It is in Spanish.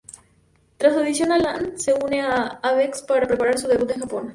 Tras su audición alan se une a Avex para preparar su debut en Japón.